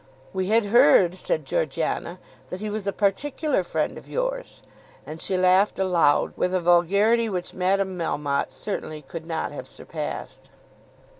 "We had heard," said Georgiana, "that he was a particular friend of yours." And she laughed aloud, with a vulgarity which Madame Melmotte certainly could not have surpassed.